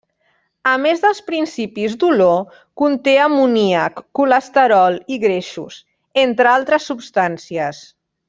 A més dels principis d'olor, conté amoníac, colesterol i greixos, entre altres substàncies.